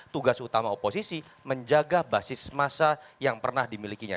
tugas utama oposisi menjaga basis masa yang pernah dimilikinya